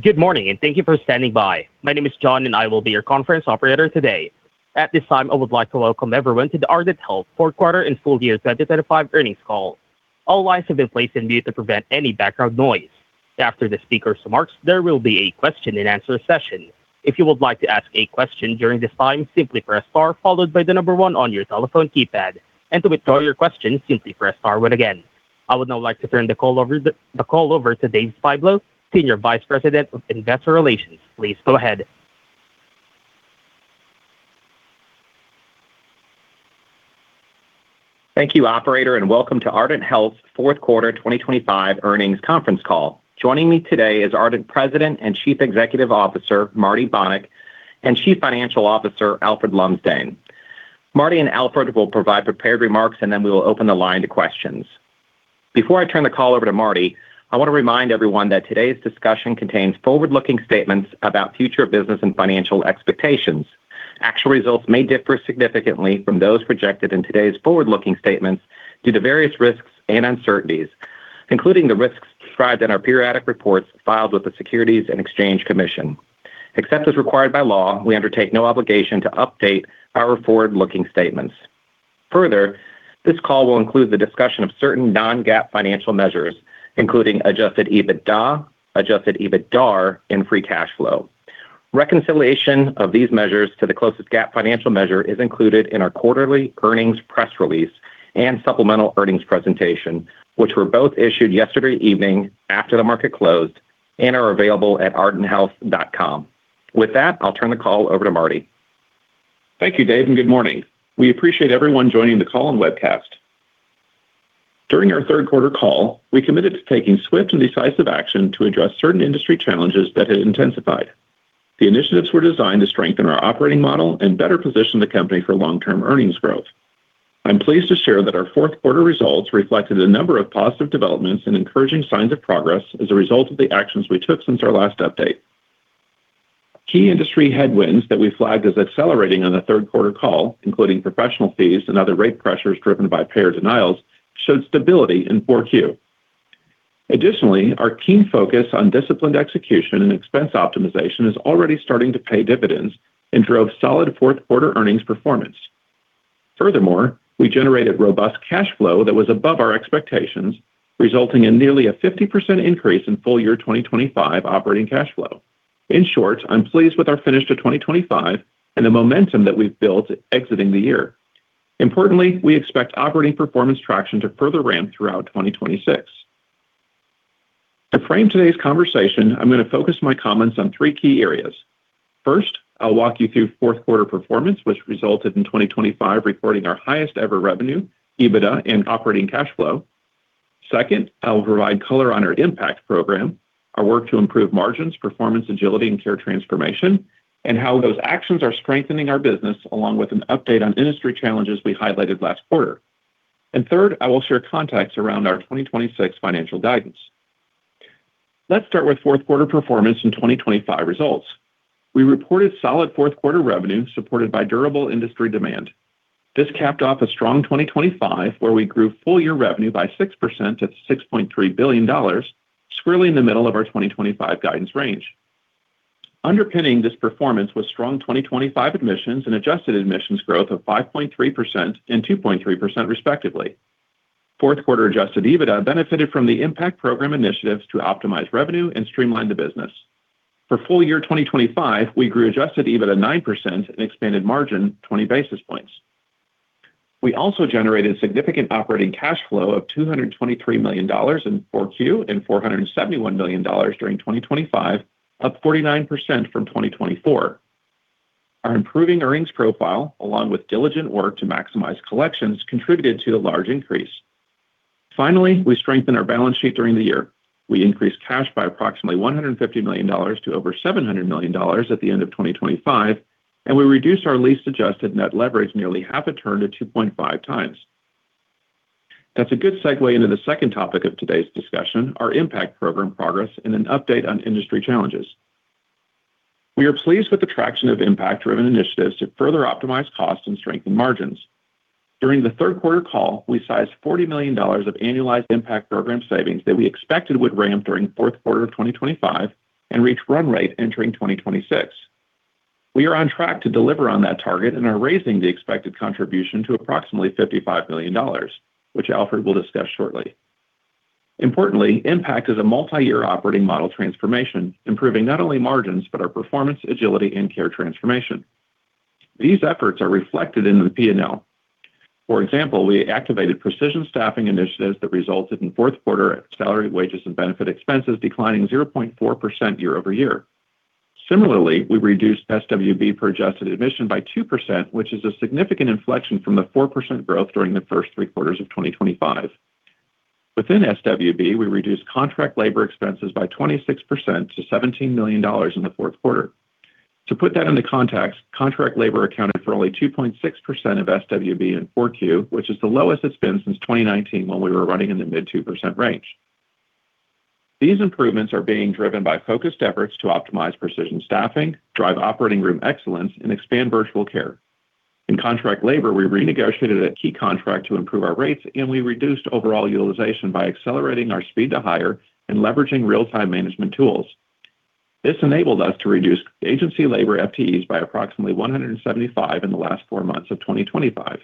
Good morning, and thank you for standing by. My name is John, and I will be your conference operator today. At this time, I would like to welcome everyone to the Ardent Health Fourth Quarter and Full Year 2025 Earnings Call. All lines have been placed in mute to prevent any background noise. After the speaker's remarks, there will be a question-and-answer session. If you would like to ask a question during this time, simply press star followed by the number one on your telephone keypad. To withdraw your question, simply press star one again. I would now like to turn the call over to Dave Styblo, Senior Vice President of Investor Relations. Please go ahead. Thank you, operator, and welcome to Ardent Health's Fourth Quarter 2025 Earnings Conference Call. Joining me today is Ardent President and Chief Executive Officer, Marty Bonick, and Chief Financial Officer, Alfred Lumsdaine. Marty and Alfred will provide prepared remarks, and then we will open the line to questions. Before I turn the call over to Marty, I want to remind everyone that today's discussion contains forward-looking statements about future business and financial expectations. Actual results may differ significantly from those projected in today's forward-looking statements due to various risks and uncertainties, including the risks described in our periodic reports filed with the Securities and Exchange Commission. Except as required by law, we undertake no obligation to update our forward-looking statements. Further, this call will include the discussion of certain non-GAAP financial measures, including adjusted EBITDA, adjusted EBITDAR, and free cash flow. Reconciliation of these measures to the closest GAAP financial measure is included in our quarterly earnings press release and supplemental earnings presentation, which were both issued yesterday evening after the market closed and are available at ardenthealth.com. With that, I'll turn the call over to Marty. Thank you, Dave, and good morning. We appreciate everyone joining the call and webcast. During our third quarter call, we committed to taking swift and decisive action to address certain industry challenges that had intensified. The initiatives were designed to strengthen our operating model and better position the company for long-term earnings growth. I'm pleased to share that our fourth quarter results reflected a number of positive developments and encouraging signs of progress as a result of the actions we took since our last update. Key industry headwinds that we flagged as accelerating on the third quarter call, including professional fees and other rate pressures driven by payer denials, showed stability in 4Q. Additionally, our keen focus on disciplined execution and expense optimization is already starting to pay dividends and drove solid fourth quarter earnings performance. Furthermore, we generated robust cash flow that was above our expectations, resulting in nearly a 50% increase in full year 2025 operating cash flow. In short, I'm pleased with our finish to 2025 and the momentum that we've built exiting the year. Importantly, we expect operating performance traction to further ramp throughout 2026. To frame today's conversation, I'm going to focus my comments on three key areas. First, I'll walk you through fourth quarter performance, which resulted in 2025 recording our highest-ever revenue, EBITDA, and operating cash flow. Second, I will provide color on our IMPACT program, our work to improve margins, performance, agility, and care transformation, and how those actions are strengthening our business along with an update on industry challenges we highlighted last quarter. Third, I will share context around our 2026 financial guidance. Let's start with fourth quarter performance and 2025 results. We reported solid fourth quarter revenue supported by durable industry demand. This capped off a strong 2025, where we grew full year revenue by 6% to $6.3 billion, squarely in the middle of our 2025 guidance range. Underpinning this performance was strong 2025 admissions and adjusted admissions growth of 5.3% and 2.3%, respectively. Fourth quarter adjusted EBITDA benefited from the IMPACT program initiatives to optimize revenue and streamline the business. For full year 2025, we grew adjusted EBITDA 9% and expanded margin 20 basis points. We also generated significant operating cash flow of $223 million in 4Q and $471 million during 2025, up 49% from 2024. Our improving earnings profile, along with diligent work to maximize collections, contributed to the large increase. We strengthened our balance sheet during the year. We increased cash by approximately $150 million to over $700 million at the end of 2025, and we reduced our lease-adjusted net leverage nearly half a turn to 2.5x. That's a good segue into the second topic of today's discussion, our IMPACT program progress and an update on industry challenges. We are pleased with the traction of IMPACT-driven initiatives to further optimize costs and strengthen margins. During the third quarter call, we sized $40 million of annualized IMPACT program savings that we expected would ramp during fourth quarter of 2025 and reach run rate entering 2026. We are on track to deliver on that target and are raising the expected contribution to approximately $55 million, which Alfred will discuss shortly. Importantly, IMPACT is a multi-year operating model transformation, improving not only margins, but our performance, agility, and care transformation. These efforts are reflected in the P&L. For example, we activated precision staffing initiatives that resulted in fourth quarter salary, wages, and benefit expenses declining 0.4% year-over-year. Similarly, we reduced SWB per adjusted admission by 2%, which is a significant inflection from the 4% growth during the first three quarters of 2025. Within SWB, we reduced contract labor expenses by 26% to $17 million in the fourth quarter. To put that into context, contract labor accounted for only 2.6% of SWB in 4Q, which is the lowest it's been since 2019 when we were running in the mid 2% range. These improvements are being driven by focused efforts to optimize precision staffing, drive operating room excellence, and expand virtual care. In contract labor, we renegotiated a key contract to improve our rates, and we reduced overall utilization by accelerating our speed to hire and leveraging real-time management tools. This enabled us to reduce agency labor FTEs by approximately 175 in the last four months of 2025.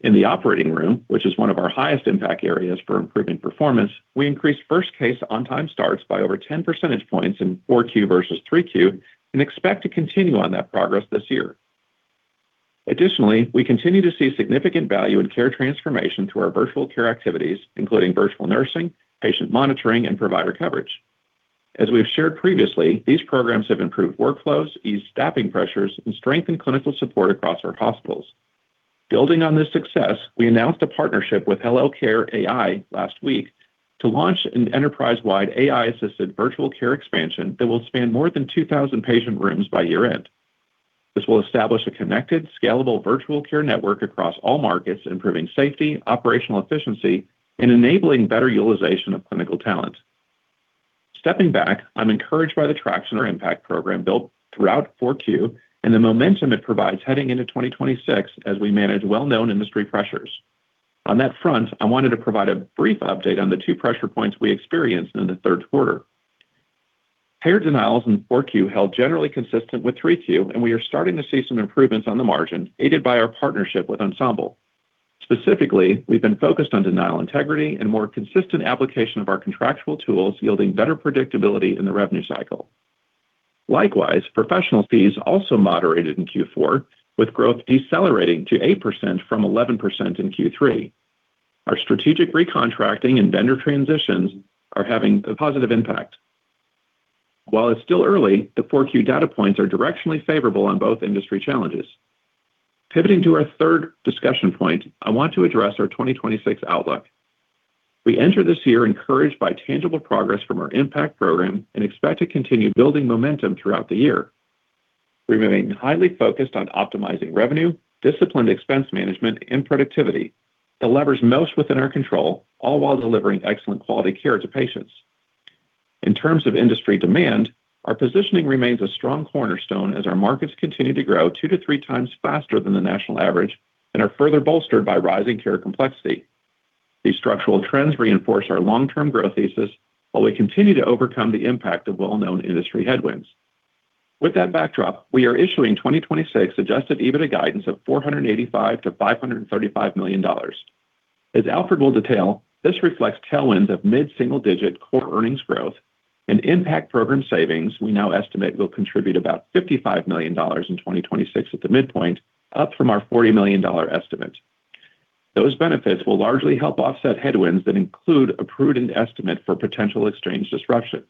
In the operating room, which is one of our highest impact areas for improving performance, we increased first case on-time starts by over 10 percentage points in 4Q versus 3Q and expect to continue on that progress this year. Additionally, we continue to see significant value in care transformation through our virtual care activities, including virtual nursing, patient monitoring, and provider coverage. As we've shared previously, these programs have improved workflows, eased staffing pressures, and strengthened clinical support across our hospitals. Building on this success, we announced a partnership with hellocare.ai last week to launch an enterprise-wide AI-assisted virtual care expansion that will span more than 2,000 patient rooms by year-end. This will establish a connected, scalable virtual care network across all markets, improving safety, operational efficiency, and enabling better utilization of clinical talent. Stepping back, I'm encouraged by the traction our IMPACT program built throughout 4Q and the momentum it provides heading into 2026 as we manage well-known industry pressures. On that front, I wanted to provide a brief update on the two pressure points we experienced in the third quarter. Payer denials in 4Q held generally consistent with 3Q. We are starting to see some improvements on the margin, aided by our partnership with Ensemble. Specifically, we've been focused on denial integrity and more consistent application of our contractual tools, yielding better predictability in the revenue cycle. Likewise, professional fees also moderated in Q4, with growth decelerating to 8% from 11% in Q3. Our strategic recontracting and vendor transitions are having a positive impact. While it's still early, the 4Q data points are directionally favorable on both industry challenges. Pivoting to our third discussion point, I want to address our 2026 outlook. We enter this year encouraged by tangible progress from our IMPACT program and expect to continue building momentum throughout the year. Remaining highly focused on optimizing revenue, disciplined expense management, and productivity, the levers most within our control, all while delivering excellent quality care to patients. In terms of industry demand, our positioning remains a strong cornerstone as our markets continue to grow two to three times faster than the national average and are further bolstered by rising care complexity. These structural trends reinforce our long-term growth thesis while we continue to overcome the impact of well-known industry headwinds. With that backdrop, we are issuing 2026 adjusted EBITDA guidance of $485 million-$535 million. As Alfred will detail, this reflects tailwinds of mid-single-digit core earnings growth and IMPACT program savings we now estimate will contribute about $55 million in 2026 at the midpoint, up from our $40 million estimate. Those benefits will largely help offset headwinds that include a prudent estimate for potential exchange disruption.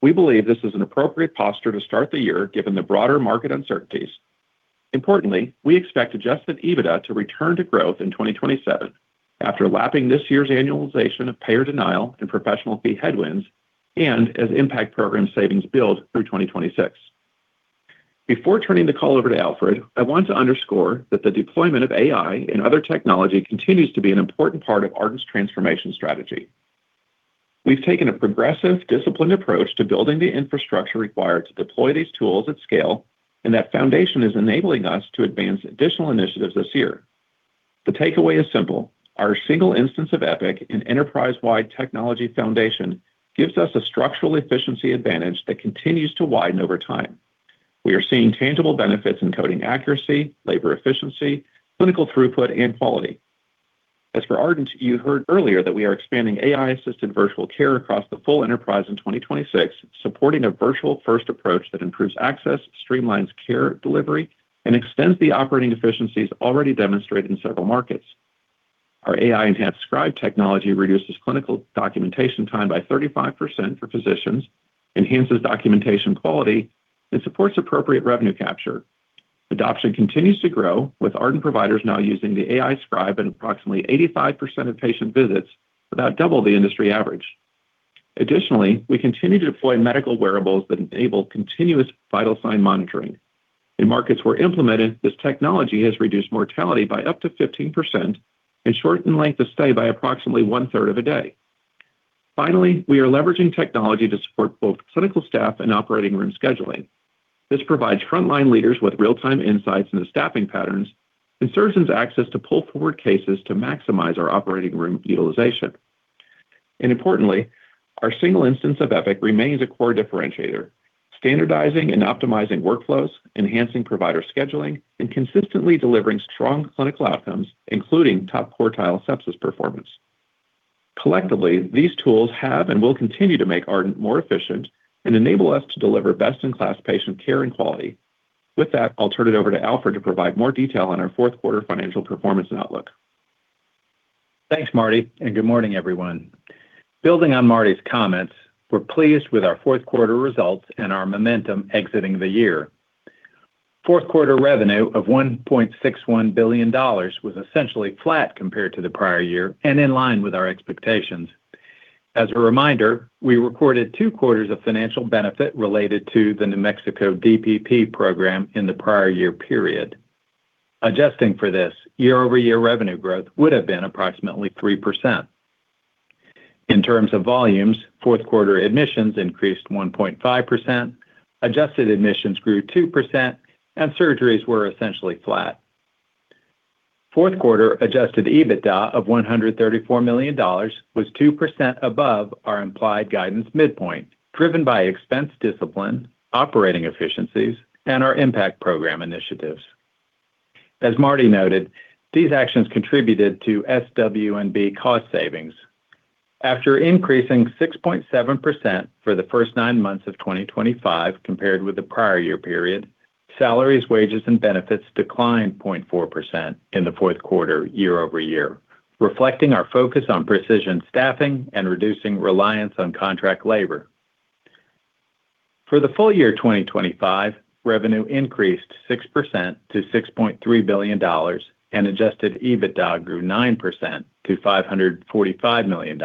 We believe this is an appropriate posture to start the year given the broader market uncertainties. Importantly, we expect adjusted EBITDA to return to growth in 2027 after lapping this year's annualization of payer denial and professional fee headwinds and as IMPACT program savings build through 2026. Before turning the call over to Alfred, I want to underscore that the deployment of AI and other technology continues to be an important part of Ardent's transformation strategy. We've taken a progressive, disciplined approach to building the infrastructure required to deploy these tools at scale, and that foundation is enabling us to advance additional initiatives this year. The takeaway is simple: Our single instance of Epic and enterprise-wide technology foundation gives us a structural efficiency advantage that continues to widen over time. We are seeing tangible benefits in coding accuracy, labor efficiency, clinical throughput, and quality. As for Ardent, you heard earlier that we are expanding AI-assisted virtual care across the full enterprise in 2026, supporting a virtual-first approach that improves access, streamlines care delivery, and extends the operating efficiencies already demonstrated in several markets. Our AI-enhanced scribe technology reduces clinical documentation time by 35% for physicians, enhances documentation quality, and supports appropriate revenue capture. Adoption continues to grow, with Ardent providers now using the AI scribe in approximately 85% of patient visits, about double the industry average. Additionally, we continue to deploy medical wearables that enable continuous vital sign monitoring. In markets where implemented, this technology has reduced mortality by up to 15% and shortened length of stay by approximately 1/3 of a day. Finally, we are leveraging technology to support both clinical staff and operating room scheduling. This provides frontline leaders with real-time insights into staffing patterns and surgeons access to pull forward cases to maximize our operating room utilization. Importantly, our single instance of Epic remains a core differentiator, standardizing and optimizing workflows, enhancing provider scheduling, and consistently delivering strong clinical outcomes, including top quartile sepsis performance. Collectively, these tools have and will continue to make Ardent more efficient and enable us to deliver best-in-class patient care and quality. With that, I'll turn it over to Alfred to provide more detail on our fourth quarter financial performance and outlook. Thanks, Marty, good morning, everyone. Building on Marty's comments, we're pleased with our fourth quarter results and our momentum exiting the year. Fourth quarter revenue of $1.61 billion was essentially flat compared to the prior year and in line with our expectations. As a reminder, we recorded two quarters of financial benefit related to the New Mexico DPP program in the prior year period. Adjusting for this, year-over-year revenue growth would have been approximately 3%. In terms of volumes, fourth quarter admissions increased 1.5%, adjusted admissions grew 2%, and surgeries were essentially flat. Fourth quarter adjusted EBITDA of $134 million was 2% above our implied guidance midpoint, driven by expense discipline, operating efficiencies, and our IMPACT Program initiatives. As Marty noted, these actions contributed to SW&B cost savings. After increasing 6.7% for the first nine months of 2025 compared with the prior year period, salaries, wages, and benefits declined 0.4% in the fourth quarter year-over-year, reflecting our focus on precision staffing and reducing reliance on contract labor. For the full year 2025, revenue increased 6% to $6.3 billion and adjusted EBITDA grew 9% to $545 million,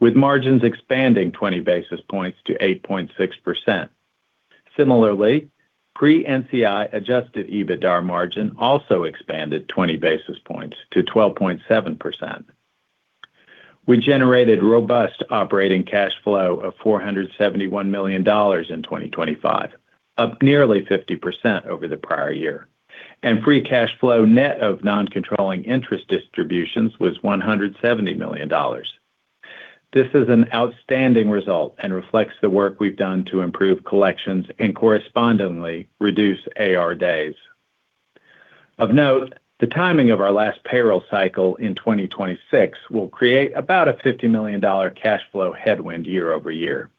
with margins expanding 20 basis points to 8.6%. Similarly, pre-NCI adjusted EBITDAR margin also expanded 20 basis points to 12.7%. We generated robust operating cash flow of $471 million in 2025, up nearly 50% over the prior year, and free cash flow net of non-controlling interest distributions was $170 million. This is an outstanding result and reflects the work we've done to improve collections and correspondingly reduce AR days. Of note, the timing of our last payroll cycle in 2026 will create about a $50 million cash flow headwind year-over-year.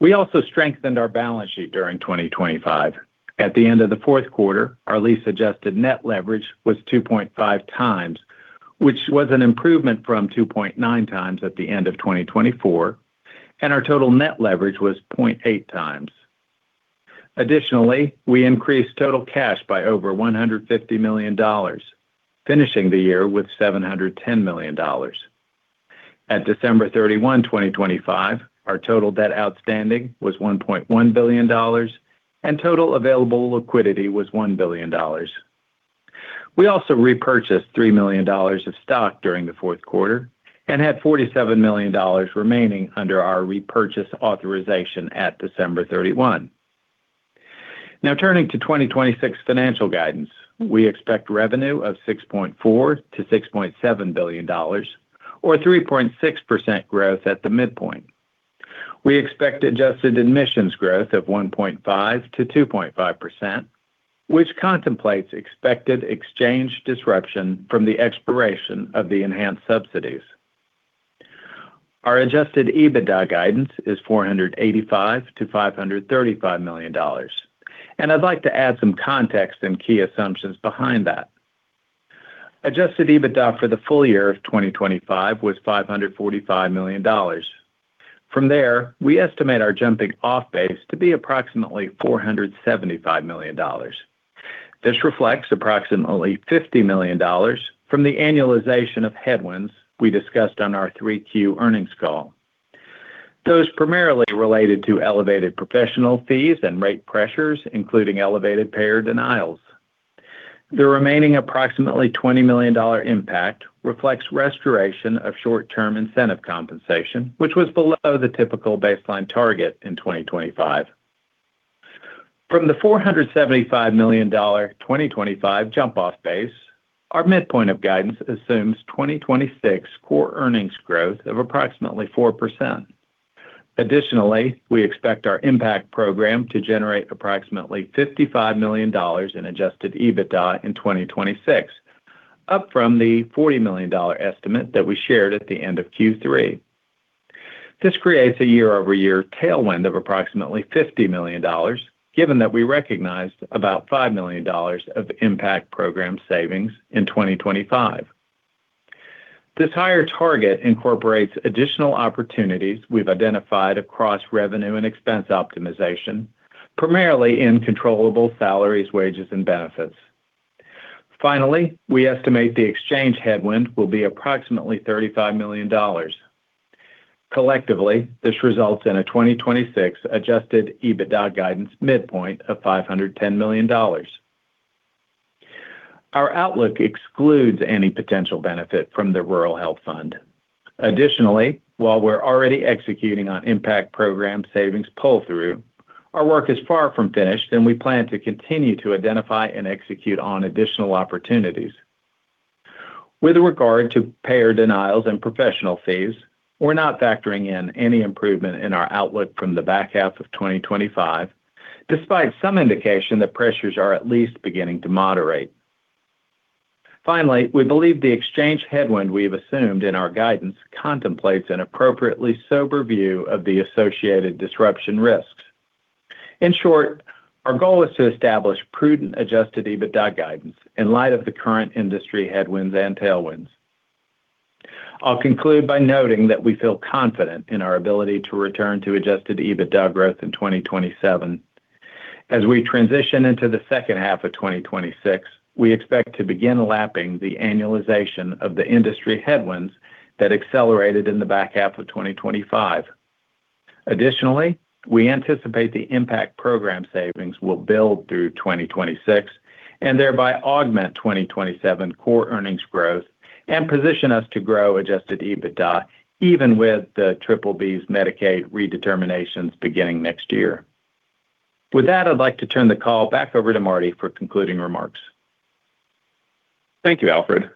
We also strengthened our balance sheet during 2025. At the end of the fourth quarter, our lease-adjusted net leverage was 2.5x, which was an improvement from 2.9x at the end of 2024, and our total net leverage was 0.8x. Additionally, we increased total cash by over $150 million, finishing the year with $710 million. At December 31, 2025, our total debt outstanding was $1.1 billion, and total available liquidity was $1 billion. We also repurchased $3 million of stock during the fourth quarter and had $47 million remaining under our repurchase authorization at December 31. Turning to 2026 financial guidance. We expect revenue of $6.4 billion-$6.7 billion or 3.6% growth at the midpoint. We expect adjusted admissions growth of 1.5%-2.5%, which contemplates expected exchange disruption from the expiration of the enhanced subsidies. Our adjusted EBITDA guidance is $485 million-$535 million. I'd like to add some context and key assumptions behind that. Adjusted EBITDA for the full year of 2025 was $545 million. We estimate our jumping off base to be approximately $475 million. This reflects approximately $50 million from the annualization of headwinds we discussed on our 3Q earnings call. Those primarily related to elevated professional fees and rate pressures, including elevated payer denials. The remaining approximately $20 million impact reflects restoration of short-term incentive compensation, which was below the typical baseline target in 2025. From the $475 million 2025 jump off base, our midpoint of guidance assumes 2026 core earnings growth of approximately 4%. We expect our IMPACT program to generate approximately $55 million in adjusted EBITDA in 2026, up from the $40 million estimate that we shared at the end of Q3. This creates a year-over-year tailwind of approximately $50 million, given that we recognized about $5 million of IMPACT program savings in 2025. This higher target incorporates additional opportunities we've identified across revenue and expense optimization, primarily in controllable Salaries, Wages, and Benefits. We estimate the exchange headwind will be approximately $35 million. Collectively, this results in a 2026 adjusted EBITDA guidance midpoint of $510 million. Our outlook excludes any potential benefit from the Rural Health Fund. While we're already executing on IMPACT program savings pull through, our work is far from finished, and we plan to continue to identify and execute on additional opportunities. With regard to payer denials and professional fees, we're not factoring in any improvement in our outlook from the back half of 2025, despite some indication that pressures are at least beginning to moderate. We believe the exchange headwind we have assumed in our guidance contemplates an appropriately sober view of the associated disruption risks. In short, our goal is to establish prudent adjusted EBITDA guidance in light of the current industry headwinds and tailwinds. I'll conclude by noting that we feel confident in our ability to return to adjusted EBITDA growth in 2027. As we transition into the second half of 2026, we expect to begin lapping the annualization of the industry headwinds that accelerated in the back half of 2025. Additionally, we anticipate the IMPACT program savings will build through 2026 and thereby augment 2027 core earnings growth and position us to grow adjusted EBITDA even with the OBBB Medicaid redeterminations beginning next year. With that, I'd like to turn the call back over to Marty for concluding remarks. Thank you, Alfred.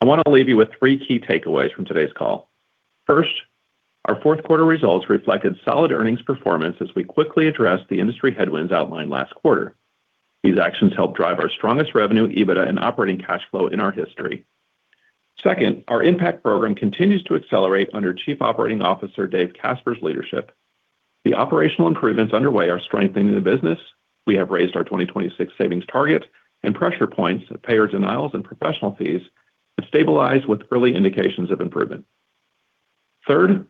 I want to leave you with three key takeaways from today's call. Our fourth quarter results reflected solid earnings performance as we quickly addressed the industry headwinds outlined last quarter. These actions helped drive our strongest revenue, EBITDA, and operating cash flow in our history. Our IMPACT program continues to accelerate under Chief Operating Officer Dave Caspers's leadership. The operational improvements underway are strengthening the business. We have raised our 2026 savings target and pressure points, payer denials, and professional fees have stabilized with early indications of improvement.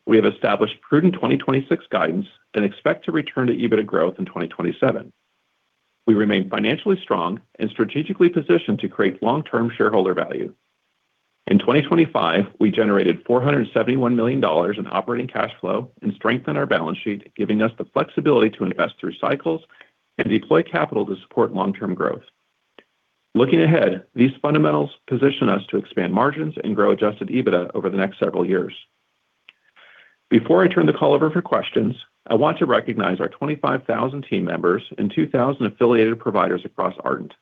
We have established prudent 2026 guidance and expect to return to EBITDA growth in 2027. We remain financially strong and strategically positioned to create long-term shareholder value. In 2025, we generated $471 million in operating cash flow and strengthened our balance sheet, giving us the flexibility to invest through cycles and deploy capital to support long-term growth. Looking ahead, these fundamentals position us to expand margins and grow adjusted EBITDA over the next several years. Before I turn the call over for questions, I want to recognize our 25,000 team members and 2,000 affiliated providers across Ardent.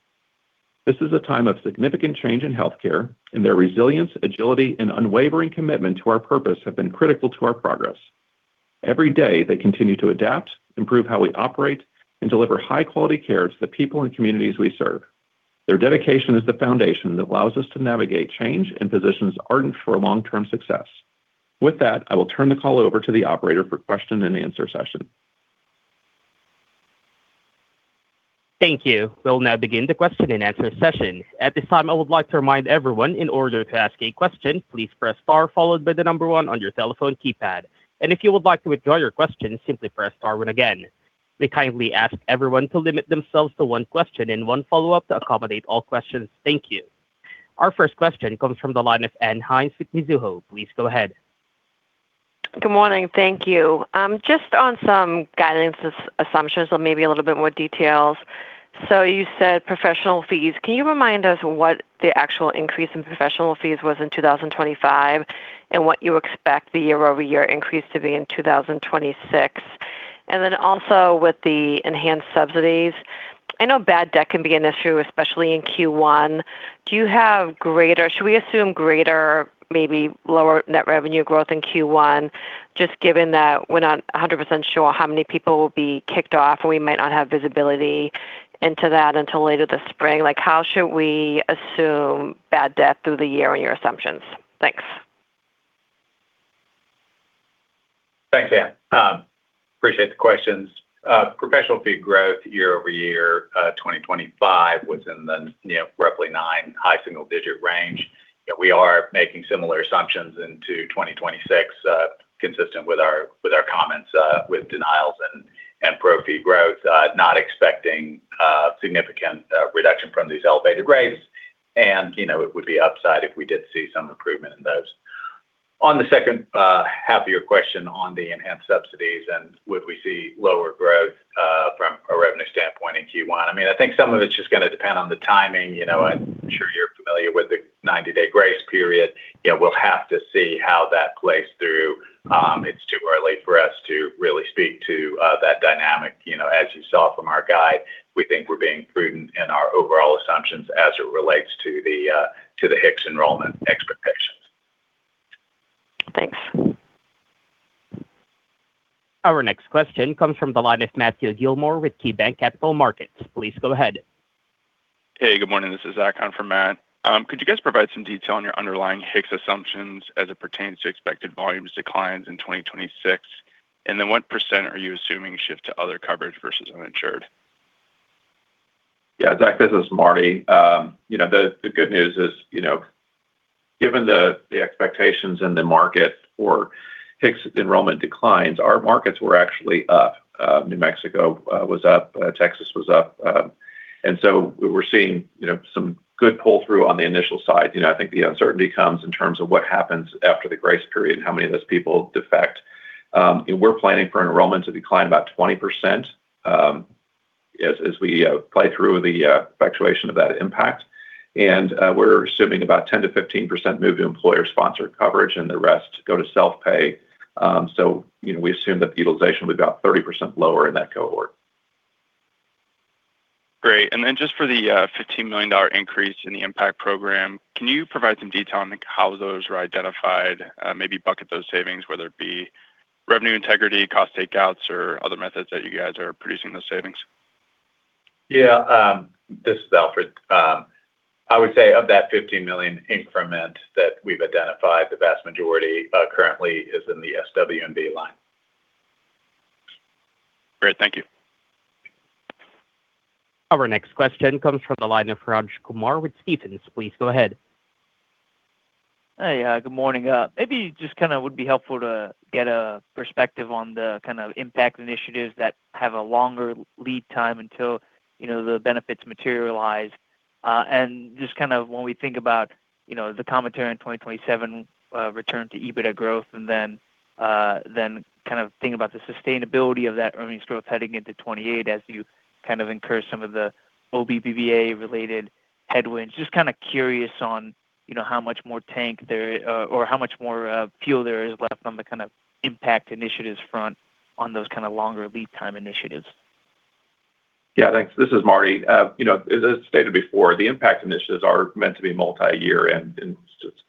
This is a time of significant change in healthcare, and their resilience, agility, and unwavering commitment to our purpose have been critical to our progress. Every day, they continue to adapt, improve how we operate, and deliver high-quality care to the people and communities we serve. Their dedication is the foundation that allows us to navigate change and positions Ardent for long-term success. With that, I will turn the call over to the operator for question and answer session. Thank you. We'll now begin the question and answer session. At this time, I would like to remind everyone in order to ask a question, please press star followed by the number one on your telephone keypad. If you would like to withdraw your question, simply press star one again. We kindly ask everyone to limit themselves to one question and 1 follow-up to accommodate all questions. Thank you. Our first question comes from the line of Ann Hynes with Mizuho. Please go ahead. Good morning. Thank you. Just on some guidance assumptions or maybe a little bit more details. You said professional fees. Can you remind us what the actual increase in professional fees was in 2025 and what you expect the year-over-year increase to be in 2026? Then also with the enhanced subsidies, I know bad debt can be an issue, especially in Q1. Should we assume greater, maybe lower net revenue growth in Q1, just given that we're not 100% sure how many people will be kicked off? We might not have visibility into that until later this spring. How should we assume bad debt through the year in your assumptions? Thanks. Thanks, Ann. Appreciate the questions. Professional fee growth year-over-year, 2025 was in the, you know, roughly nine high single-digit range. We are making similar assumptions into 2026, consistent with our, with our comments, with denials and pro fee growth, not expecting significant reduction from these elevated rates. You know, it would be upside if we did see some improvement in those. On the second half of your question on the enhanced subsidies and would we see lower growth from a revenue standpoint in Q1, I mean, I think some of it's just gonna depend on the timing. You know, I'm sure you're familiar with the 90-day grace period. You know, we'll have to see how that plays through. It's too early for us to really speak to that dynamic. You know, as you saw from our guide, we think we're being prudent in our overall assumptions as it relates to the HIX enrollment expectations. Thanks. Our next question comes from the line of Matthew Gillmor with KeyBanc Capital Markets. Please go ahead. Hey, good morning. This is Zach on for Matt. Could you guys provide some detail on your underlying HICS assumptions as it pertains to expected volumes declines in 2026? What % are you assuming shift to other coverage versus uninsured? Yeah, Zach, this is Marty. You know, the good news is, you know, given the expectations in the market for HICS enrollment declines, our markets were actually up. New Mexico was up, Texas was up, we're seeing, you know, some good pull-through on the initial side. You know, I think the uncertainty comes in terms of what happens after the grace period and how many of those people defect. We're planning for enrollment to decline about 20%, as we play through the fluctuation of that impact. We're assuming about 10%-15% move to employer-sponsored coverage, and the rest go to self-pay. You know, we assume that the utilization will be about 30% lower in that cohort. Great. Just for the, $15 million increase in the IMPACT program, can you provide some detail on, like, how those were identified, maybe bucket those savings, whether it be revenue integrity, cost takeouts, or other methods that you guys are producing those savings? Yeah. This is Alfred. I would say of that $15 million increment that we've identified, the vast majority, currently is in the SWB line. Great. Thank you. Our next question comes from the line of Raj Kumar with Stephens. Please go ahead. Hey, good morning. Maybe just kinda would be helpful to get a perspective on the kinda IMPACT initiatives that have a longer lead time until, you know, the benefits materialize. Just kind of when we think about, you know, the commentary in 2027, return to EBITDA growth and then kind of thinking about the sustainability of that earnings growth heading into 2028 as you kind of incur some of the OBBBA-related headwinds. Just kinda curious on, you know, how much more tank there, or how much more fuel there is left on the kind of IMPACT initiatives front on those kinda longer lead time initiatives. Yeah, thanks. This is Marty. You know, as stated before, the IMPACT initiatives are meant to be multiyear and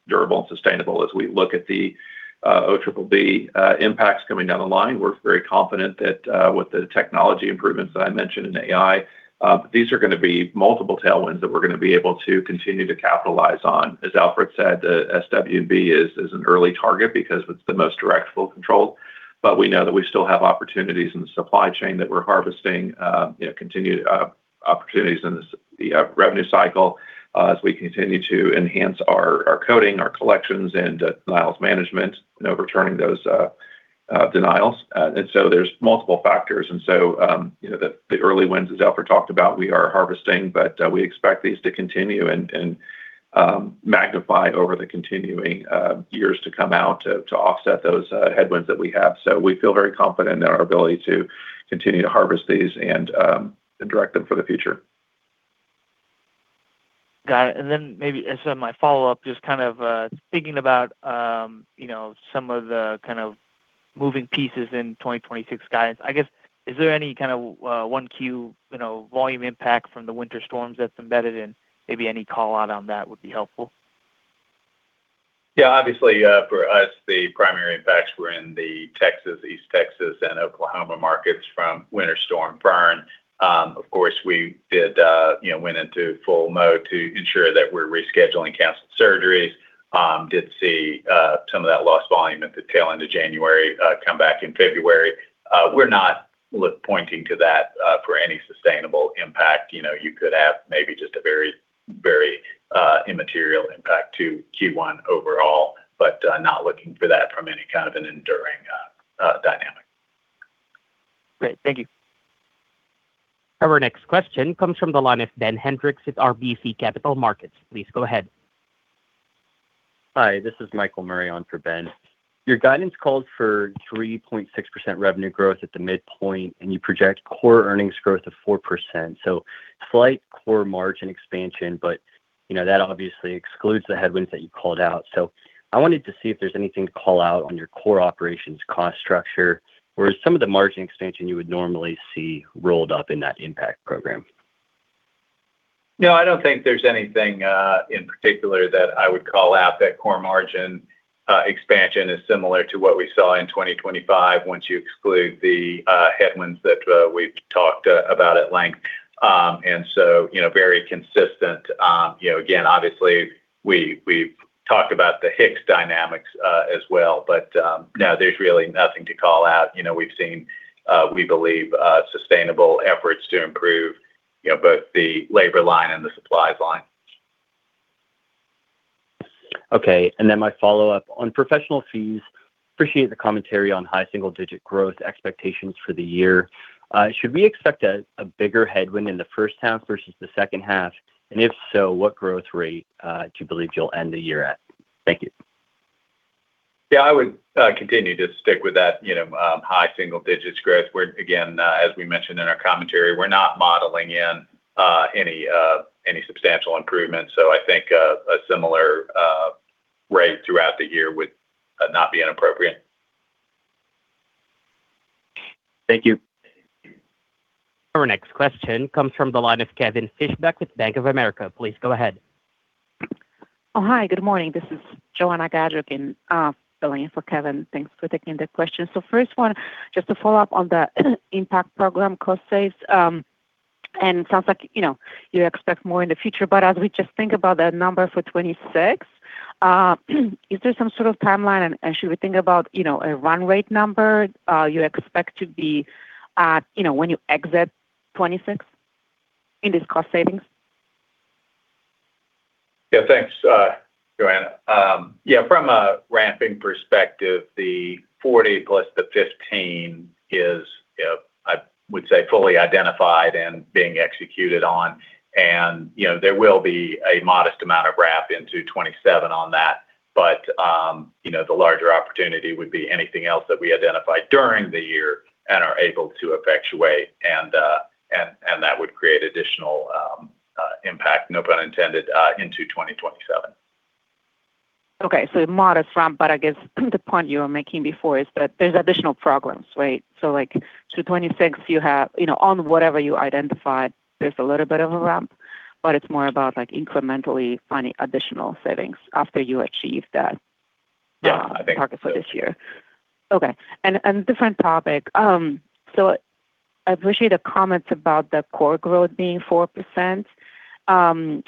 durable and sustainable as we look at the OBBB impacts coming down the line. We're very confident that with the technology improvements that I mentioned in AI, these are gonna be multiple tailwinds that we're gonna be able to continue to capitalize on. As Alfred said, SWB is an early target because it's the most direct flow control. We know that we still have opportunities in the supply chain that we're harvesting, you know, continued opportunities in the revenue cycle as we continue to enhance our coding, our collections, and denials management and overturning those denials. There's multiple factors. You know, the early wins, as Alfred talked about, we are harvesting, but we expect these to continue and magnify over the continuing years to come out to offset those headwinds that we have. We feel very confident in our ability to continue to harvest these and direct them for the future. Got it. Maybe as my follow-up, just kind of thinking about, you know, some of the kind of moving pieces in 2026 guidance. I guess, is there any kind of 1Q, you know, volume impact from the winter storms that's embedded in? Maybe any call-out on that would be helpful. Obviously, for us, the primary impacts were in the Texas, East Texas, and Oklahoma markets from Winter Storm Fern. Of course, we did, you know, went into full mode to ensure that we're rescheduling canceled surgeries, did see some of that lost volume at the tail end of January, come back in February. We're not pointing to that for any sustainable impact. You know, you could have maybe just a very, very immaterial impact to Q1 overall, but not looking for that from any kind of an enduring dynamic. Great. Thank you. Our next question comes from the line of Ben Hendrix with RBC Capital Markets. Please go ahead. Hi, this is Michael Murray on for Ben. Your guidance called for 3.6% revenue growth at the midpoint, and you project core earnings growth of 4%. Slight core margin expansion, but, you know, that obviously excludes the headwinds that you called out. I wanted to see if there's anything to call out on your core operations cost structure, or is some of the margin expansion you would normally see rolled up in that IMPACT program? No, I don't think there's anything in particular that I would call out. That core margin expansion is similar to what we saw in 2025 once you exclude the headwinds that we've talked about at length. You know, very consistent. You know, again, obviously we've talked about the HIX dynamics as well. No, there's really nothing to call out. You know, we've seen, we believe, sustainable efforts to improve, you know, both the labor line and the supplies line. Okay, my follow-up. On professional fees, appreciate the commentary on high single-digit growth expectations for the year. Should we expect a bigger headwind in the first half versus the second half? If so, what growth rate do you believe you'll end the year at? Thank you. Yeah, I would continue to stick with that, you know, high single digits growth. Again, as we mentioned in our commentary, we're not modeling in any substantial improvements. I think a similar rate throughout the year would not be inappropriate. Thank you. Our next question comes from the line of Kevin Fischbeck with Bank of America. Please go ahead. Oh, hi, good morning. This is Joanna Gajuk in, filling in for Kevin. Thanks for taking the question. First one, just to follow up on the IMPACT program cost saves. Sounds like, you know, you expect more in the future. As we just think about the number for 2026, is there some sort of timeline and should we think about, you know, a run rate number, you expect to be at, you know, when you exit 2026 in these cost savings? Yeah, thanks, Joanna. Yeah, from a ramping perspective, the $40 million plus the $15 million is, you know, I would say fully identified and being executed on. There will be a modest amount of ramp into 2027 on that. The larger opportunity would be anything else that we identify during the year and are able to effectuate and that would create additional IMPACT, no pun intended, into 2027. Okay, modest ramp, but I guess the point you were making before is that there's additional programs, right? Like, so 2026 you have, you know, on whatever you identified, there's a little bit of a ramp, but it's more about, like, incrementally finding additional savings after you achieve that. Yeah. I think so. target for this year. Okay. Different topic. I appreciate the comments about the core growth being 4%. You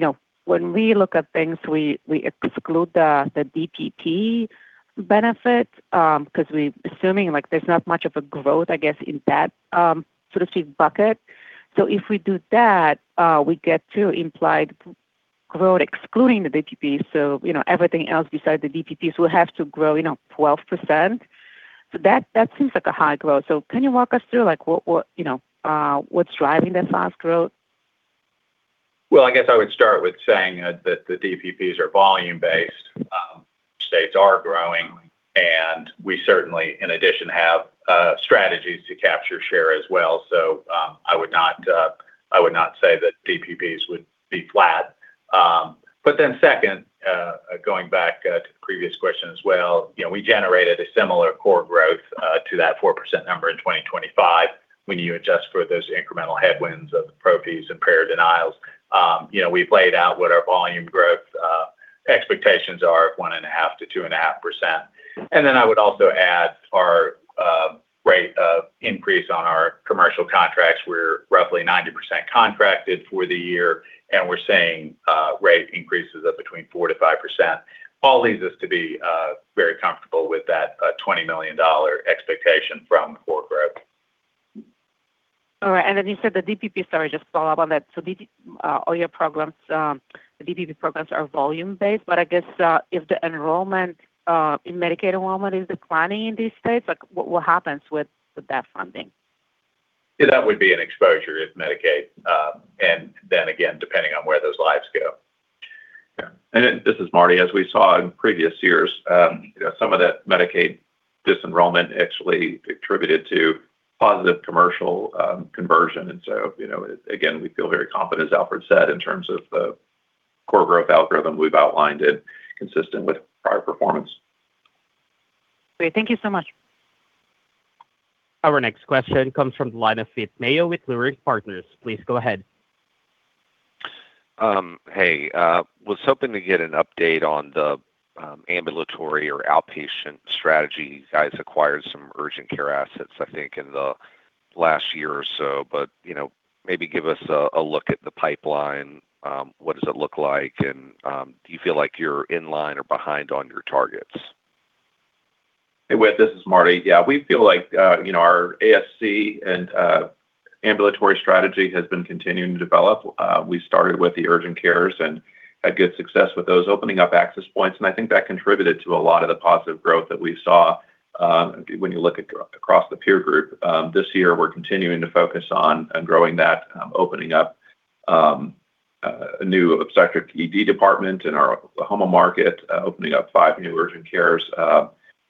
know, when we look at things, we exclude the DSH benefit, 'cause we're assuming, like, there's not much of a growth, I guess, in that sort of fee bucket. If we do that, we get to implied growth excluding the DPTs, so, you know, everything else besides the DPTs will have to grow, you know, 12%. So that seems like a high growth. Can you walk us through like what, you know, what's driving that fast growth? Well, I guess I would start with saying that the DPPs are volume-based. States are growing, and we certainly in addition have strategies to capture share as well. I would not say that DPPs would be flat. Second, going back to the previous question as well, you know, we generated a similar core growth to that 4% number in 2025 when you adjust for those incremental headwinds of the PROPs and prior denials. You know, we've laid out what our volume growth expectations are of 1.5%-2.5%. I would also add our rate of increase on our Commercial contracts were roughly 90% contracted for the year, and we're seeing rate increases of between 4%-5%. All leads us to be very comfortable with that $20 million expectation from core growth. All right. Then you said the DPP, sorry, just follow up on that. All your programs, the DPP programs are volume-based. I guess, if the enrollment in Medicaid enrollment is declining in these states, like what happens with that funding? Yeah, that would be an exposure if Medicaid, and then again, depending on where those lives go. Yeah. This is Marty. As we saw in previous years, some of that Medicaid disenrollment actually contributed to positive Commercial conversion. You know, again, we feel very confident, as Alfred said, in terms of the core growth algorithm we've outlined and consistent with prior performance. Great. Thank you so much. Our next question comes from the line of Whit Mayo with Leerink Partners. Please go ahead. Hey. Was hoping to get an update on the ambulatory or outpatient strategy. You guys acquired some urgent care assets, I think in the last year or so. You know, maybe give us a look at the pipeline, what does it look like, and, do you feel like you're in line or behind on your targets? Hey, Whit, this is Marty. Yeah, we feel like, you know, our ASC and ambulatory strategy has been continuing to develop. We started with the urgent cares and had good success with those, opening up access points. I think that contributed to a lot of the positive growth that we saw when you look at across the peer group. This year, we're continuing to focus on growing that, opening up a new obstetric ED department in our Oklahoma market, opening up five new urgent cares,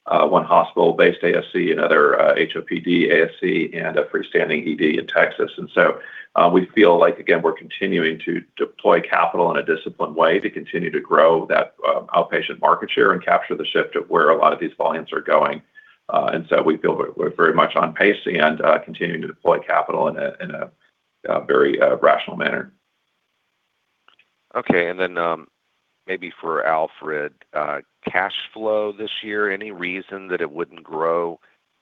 one hospital-based ASC, another HOPD ASC, and a freestanding ED in Texas. We feel like, again, we're continuing to deploy capital in a disciplined way to continue to grow that outpatient market share and capture the shift of where a lot of these volumes are going. We feel we're very much on pace and continuing to deploy capital in a very rational manner. Okay. Maybe for Alfred, cash flow this year, any reason that it wouldn't grow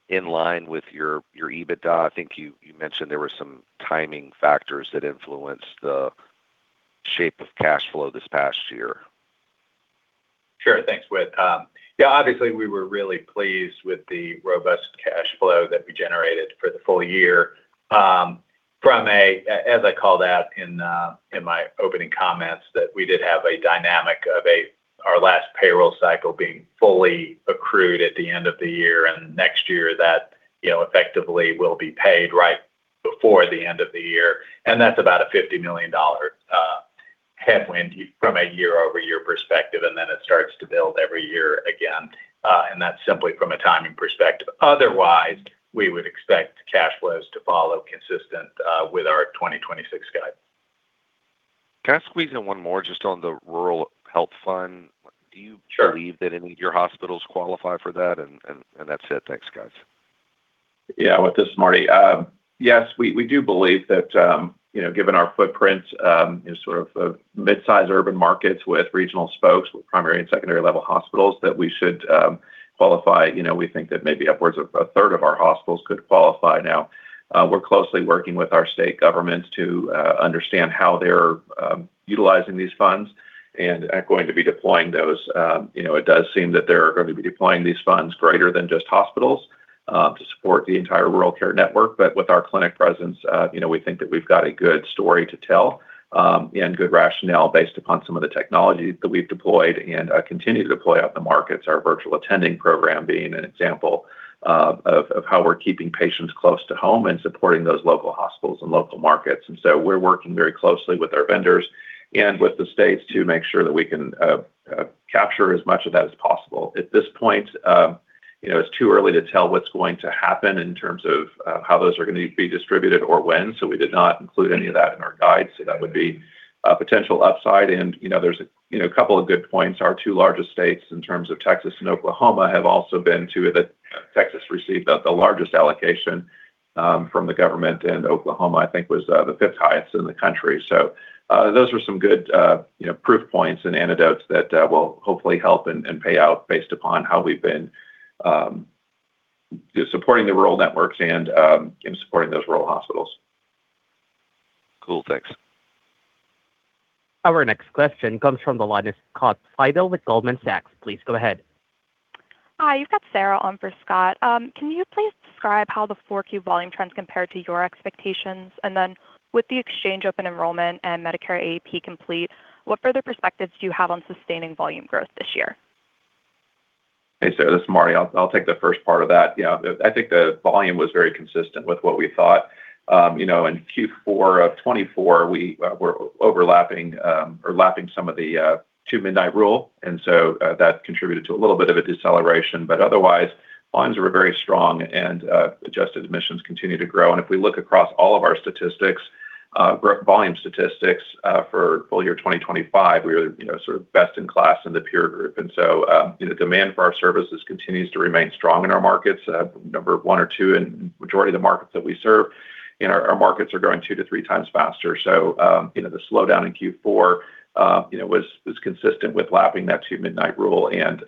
in line with your EBITDA? I think you mentioned there were some timing factors that influenced the shape of cash flow this past year. Sure. Thanks, Whit. Yeah, obviously we were really pleased with the robust cash flow that we generated for the full year, from as I called out in my opening comments, that we did have a dynamic of our last payroll cycle being fully accrued at the end of the year, and next year that, you know, effectively will be paid right before the end of the year. That's about a $50 million headwind from a year-over-year perspective, and then it starts to build every year again. That's simply from a timing perspective. Otherwise, we would expect cash flows to follow consistent with our 2026 guide. Can I squeeze in one more just on the Rural Health Fund? Sure. Do you believe that any of your hospitals qualify for that? That's it. Thanks, guys. Whit, this is Marty. Yes, we do believe that, you know, given our footprint, in sort of midsize urban markets with regional spokes, with primary and secondary level hospitals, that we should qualify. You know, we think that maybe upwards of a third of our hospitals could qualify now. We're closely working with our state governments to understand how they're utilizing these funds and going to be deploying those. You know, it does seem that they're going to be deploying these funds greater than just hospitals to support the entire rural care network. With our clinic presence, you know, we think that we've got a good story to tell, and good rationale based upon some of the technology that we've deployed and continue to deploy out in the markets, our virtual attending program being an example of how we're keeping patients close to home and supporting those local hospitals and local markets. We're working very closely with our vendors and with the states to make sure that we can capture as much of that as possible. At this point, you know, it's too early to tell what's going to happen in terms of how those are gonna be distributed or when, so we did not include any of that in our guide. That would be a potential upside. You know, there's a, you know, couple of good points. Our two largest states in terms of Texas and Oklahoma have also been two that Texas received the largest allocation, from the government, and Oklahoma, I think, was the fifth highest in the country. Those were some good, you know, proof points and antidotes that will hopefully help and pay out based upon how we've been supporting the rural networks and supporting those rural hospitals. Cool. Thanks. Our next question comes from the line of Scott Fidel with Goldman Sachs. Please go ahead. Hi. You've got Sarah on for Scott. Describe how the 4Q volume trends compare to your expectations. With the exchange open enrollment and Medicare AEP complete, what further perspectives do you have on sustaining volume growth this year? Hey, Sarah, this is Marty. I'll take the first part of that. Yeah, I think the volume was very consistent with what we thought. You know, in Q4 of 2024, we were overlapping or lapping some of the Two-Midnight Rule. That contributed to a little bit of a deceleration. Otherwise, volumes were very strong and adjusted admissions continue to grow. If we look across all of our statistics, growth volume statistics, for full year 2025, we were, you know, sort of best in class in the peer group. Demand for our services continues to remain strong in our markets. Number one or two in majority of the markets that we serve in our markets are growing two to 3x faster. You know, the slowdown in Q4, you know, was consistent with lapping that Two-Midnight Rule and,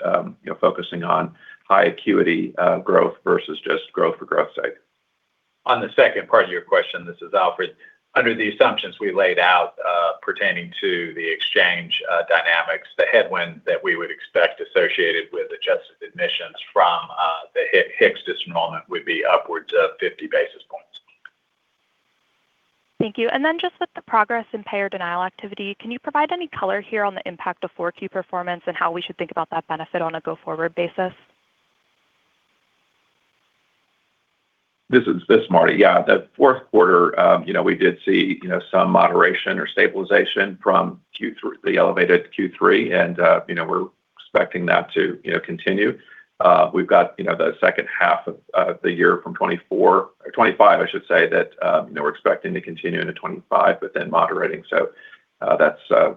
you know, focusing on high acuity, growth versus just growth for growth site. On the second part of your question, this is Alfred. Under the assumptions we laid out, pertaining to the exchange dynamics, the headwind that we would expect associated with adjusted admissions from the HICS disenrollment would be upwards of 50 basis points. Thank you. Just with the progress in payer denial activity, can you provide any color here on the impact of 4Q performance and how we should think about that benefit on a go-forward basis? This is Marty. Yeah. The fourth quarter, you know, we did see, you know, some moderation or stabilization from Q3, the elevated Q3, and, you know, we're expecting that to, you know, continue. We've got, you know, the second half of the year from 2024 or 2025, I should say that, you know, we're expecting to continue into 2025, but then moderating. That's the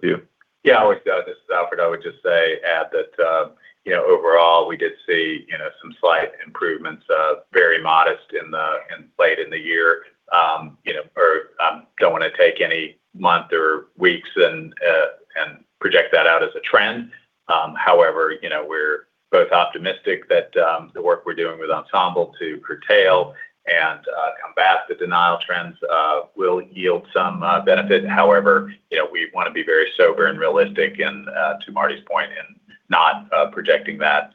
view. Yeah, this is Alfred. I would just say add that, you know, overall we did see, you know, some slight improvements, very modest in the, in late in the year. You know, or I'm going to take any month or weeks and project that out as a trend. You know, we're both optimistic that, the work we're doing with Ensemble to curtail and, combat the denial trends, will yield some, benefit. You know, we wanna be very sober and realistic and, to Marty's point in not, projecting that,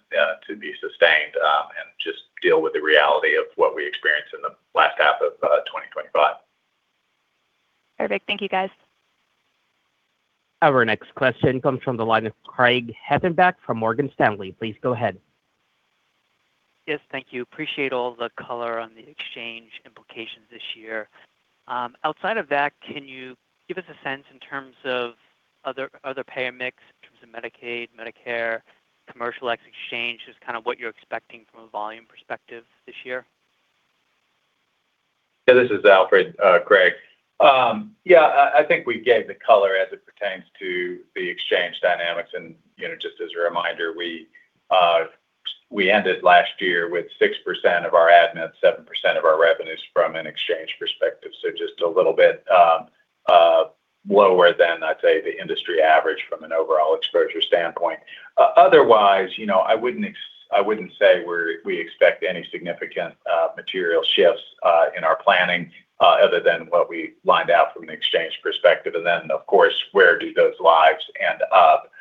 to be sustained, and just deal with the reality of what we experienced in the last half of, 2025. Perfect. Thank you, guys. Our next question comes from the line of Craig Hettenbach from Morgan Stanley. Please go ahead. Yes, thank you. Appreciate all the color on the exchange implications this year. Outside of that, can you give us a sense in terms of other payer mix in terms of Medicaid, Medicare, Commercial Exchange, just kind of what you're expecting from a volume perspective this year? Yeah. This is Alfred, Craig. Yeah, I think we gave the color as it pertains to the exchange dynamics. You know, just as a reminder, we ended last year with 6% of our admin, 7% of our revenues from an exchange perspective. Just a little bit lower than I'd say the industry average from an overall exposure standpoint. Otherwise, you know, I wouldn't say we're, we expect any significant material shifts in our planning other than what we lined out from an exchange perspective. Of course, where do those lives end up?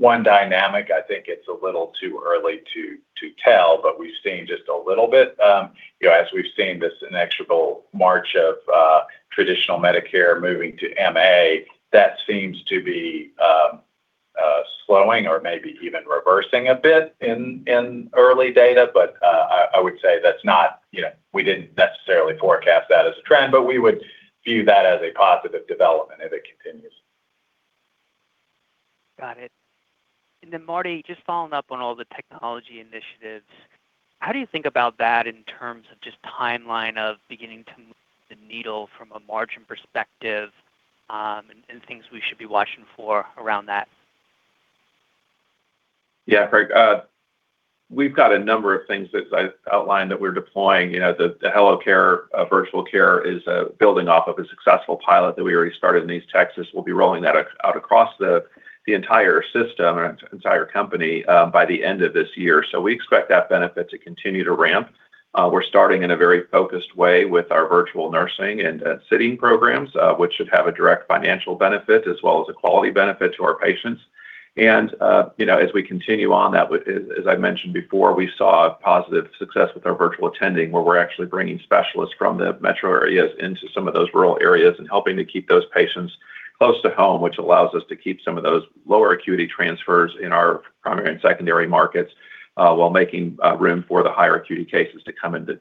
One dynamic, I think it's a little too early to tell, but we've seen just a little bit, you know, as we've seen this inexorable march of traditional Medicare moving to MA, that seems to be slowing or maybe even reversing a bit in early data. I would say that's not, you know, we didn't necessarily forecast that as a trend, but we would view that as a positive development if it continues. Got it. Marty, just following up on all the technology initiatives, how do you think about that in terms of just timeline of beginning to move the needle from a margin perspective, and things we should be watching for around that? Yeah, Craig. We've got a number of things that I outlined that we're deploying. You know, the Hello Care virtual care is building off of a successful pilot that we already started in East Texas. We'll be rolling that out across the entire system and entire company by the end of this year. We expect that benefit to continue to ramp. We're starting in a very focused way with our virtual nursing and sitting programs, which should have a direct financial benefit as well as a quality benefit to our patients. You know, as we continue on that, as I mentioned before, we saw positive success with our virtual attending, where we're actually bringing specialists from the metro areas into some of those rural areas and helping to keep those patients close to home, which allows us to keep some of those lower acuity transfers in our primary and secondary markets, while making room for the higher acuity cases to come into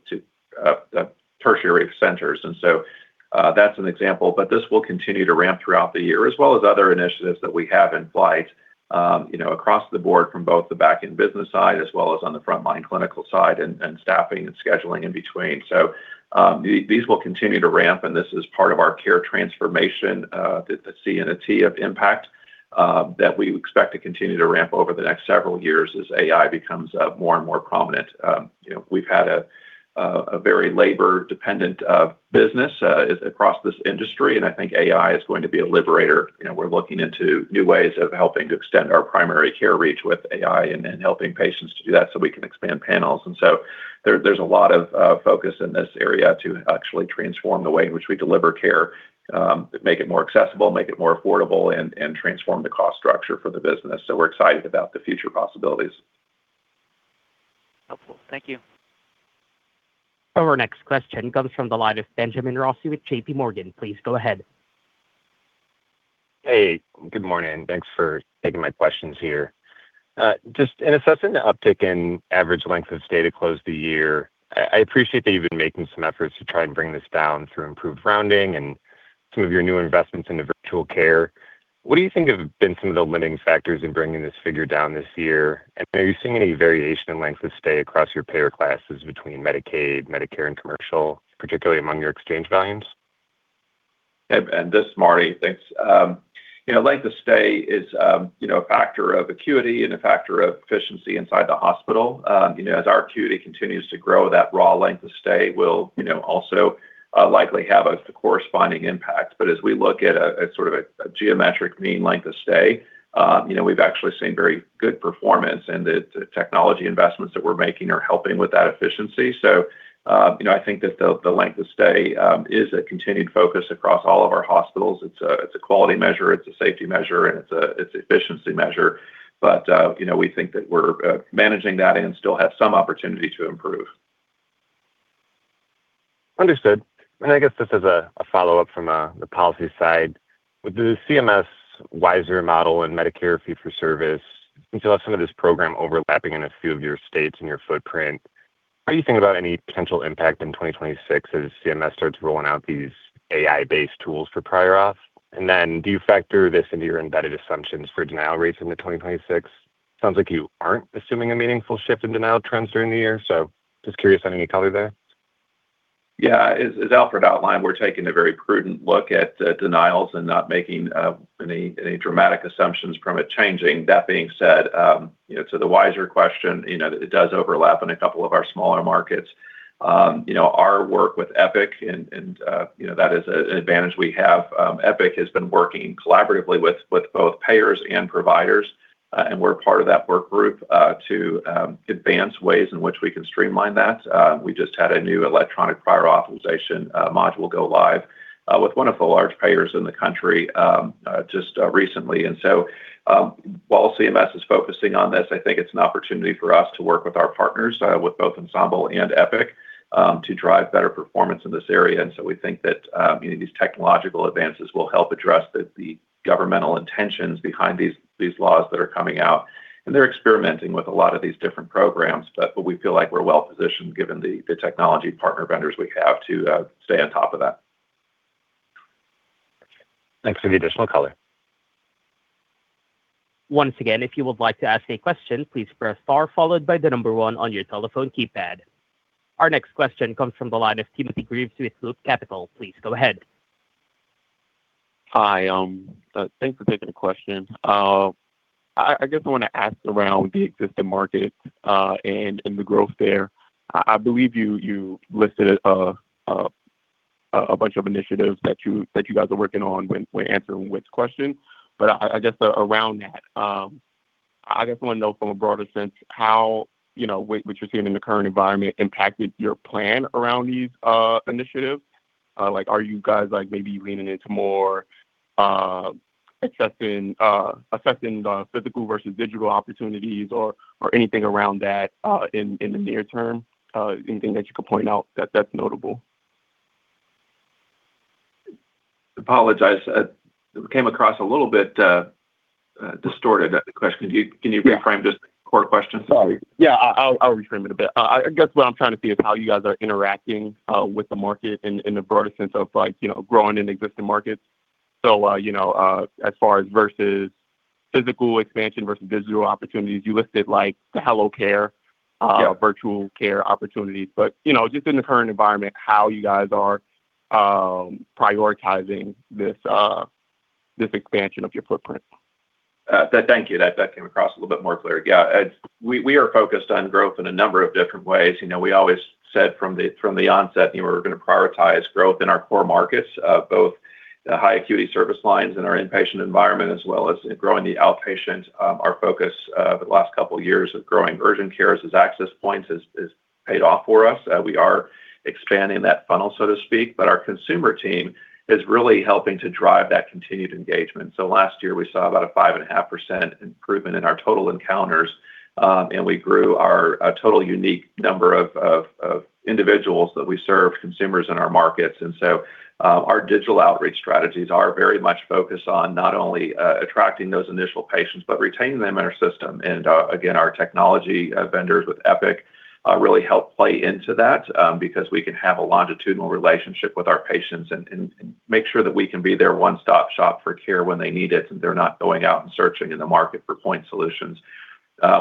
tertiary centers. That's an example, but this will continue to ramp throughout the year as well as other initiatives that we have in flight, you know, across the board from both the back-end business side as well as on the frontline clinical side and staffing and scheduling in between. These will continue to ramp, and this is part of our care transformation, the C and a T of IMPACT that we expect to continue to ramp over the next several years as AI becomes more and more prominent. You know, we've had a very labor dependent business across this industry, and I think AI is going to be a liberator. You know, we're looking into new ways of helping to extend our primary care reach with AI and helping patients to do that so we can expand panels. There's a lot of focus in this area to actually transform the way in which we deliver care, make it more accessible, make it more affordable, and transform the cost structure for the business. We're excited about the future possibilities. Helpful. Thank you. Our next question comes from the line of Benjamin Rossi with JPMorgan. Please go ahead. Hey, good morning. Thanks for taking my questions here. Just in assessing the uptick in average length of stay to close the year, I appreciate that you've been making some efforts to try and bring this down through improved rounding and some of your new investments into virtual care. What do you think have been some of the limiting factors in bringing this figure down this year? Are you seeing any variation in length of stay across your payer classes between Medicaid, Medicare, and Commercial, particularly among your exchange volumes? This is Marty. Thanks. You know, length of stay is, you know, a factor of acuity and a factor of efficiency inside the hospital. You know, as our acuity continues to grow, that raw length of stay will, you know, also, likely have a corresponding impact. As we look at a sort of a geometric mean length of stay, you know, we've actually seen very good performance, and the technology investments that we're making are helping with that efficiency. I think that the length of stay is a continued focus across all of our hospitals. It's a quality measure, it's a safety measure, and it's an efficiency measure. We think that we're managing that and still have some opportunity to improve. Understood. I guess just as a follow-up from the policy side. With the CMS waiver model and Medicare fee-for-service, you still have some of this program overlapping in a few of your states in your footprint. How do you think about any potential impact in 2026 as CMS starts rolling out these AI-based tools for prior auth? Do you factor this into your embedded assumptions for denial rates into 2026? Sounds like you aren't assuming a meaningful shift in denial trends during the year, so just curious on any color there. Yeah. As Alfred outlined, we're taking a very prudent look at denials and not making any dramatic assumptions from it changing. That being said, you know, to the wiser question, you know, it does overlap in a couple of our smaller markets. You know, our work with Epic and, you know, that is an advantage we have. Epic has been working collaboratively with both payers and providers, and we're part of that work group to advance ways in which we can streamline that. We just had a new electronic prior authorization module go live with one of the large payers in the country just recently. While CMS is focusing on this, I think it's an opportunity for us to work with our partners, with both Ensemble and Epic, to drive better performance in this area. We think that, you know, these technological advances will help address the governmental intentions behind these laws that are coming out. They're experimenting with a lot of these different programs, but we feel like we're well-positioned, given the technology partner vendors we have, to stay on top of that. Thanks for the additional color. Once again, if you would like to ask any questions, please press star followed by one on your telephone keypad. Our next question comes from the line of Timothy Greaves with Loop Capital. Please go ahead. Hi, thanks for taking the question. I guess I wanna ask around the existing market and the growth there. I believe you listed a bunch of initiatives that you guys are working on when answering Whit's question. I just around that, I just wanna know from a broader sense how, you know, what you're seeing in the current environment impacted your plan around these initiatives. Like, are you guys like maybe leaning into more assessing the physical versus digital opportunities or anything around that in the near term? Anything that you could point out that's notable? Apologize. It came across a little bit distorted, the question. Can you reframe- Yeah Just the core question for me? Sorry. Yeah. I'll reframe it a bit. I guess what I'm trying to see is how you guys are interacting with the market in the broader sense of like, you know, growing in existing markets. You know, as far as versus physical expansion versus digital opportunities. You listed like the HelloCare- Yeah Virtual care opportunities. You know, just in the current environment, how you guys are prioritizing this expansion of your footprint? Thank you. That came across a little bit more clear. As we are focused on growth in a number of different ways. You know, we always said from the onset, you know, we're gonna prioritize growth in our core markets, both the high acuity service lines in our inpatient environment, as well as growing the outpatient. Our focus the last couple of years of growing urgent care as access points is paid off for us. We are expanding that funnel, so to speak, but our consumer team is really helping to drive that continued engagement. Last year, we saw about a 5.5% improvement in our total encounters, and we grew our total unique number of individuals that we serve, consumers in our markets. Our digital outreach strategies are very much focused on not only attracting those initial patients, but retaining them in our system. Again, our technology vendors with Epic really help play into that because we can have a longitudinal relationship with our patients and make sure that we can be their one-stop shop for care when they need it, and they're not going out and searching in the market for point solutions.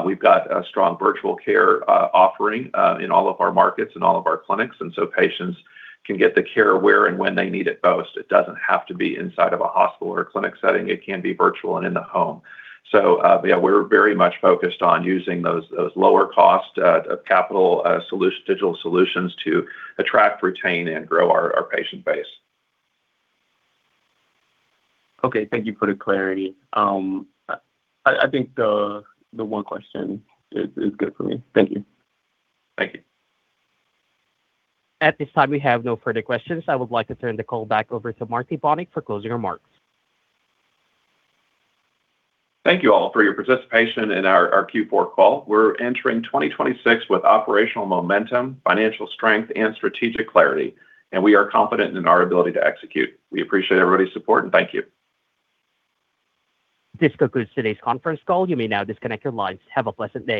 We've got a strong virtual care offering in all of our markets and all of our clinics, and so patients can get the care where and when they need it most. It doesn't have to be inside of a hospital or a clinic setting. It can be virtual and in the home. Yeah, we're very much focused on using those lower cost, capital, solution, digital solutions to attract, retain, and grow our patient base. Okay. Thank you for the clarity. I think the one question is good for me. Thank you. Thank you. At this time, we have no further questions. I would like to turn the call back over to Marty Bonick for closing remarks. Thank you all for your participation in our Q4 call. We're entering 2026 with operational momentum, financial strength and strategic clarity, and we are confident in our ability to execute. We appreciate everybody's support, and thank you. This concludes today's conference call. You may now disconnect your lines. Have a pleasant day.